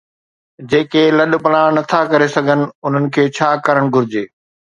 جيڪي لڏپلاڻ نٿا ڪري سگهن، انهن کي ڇا ڪرڻ گهرجي؟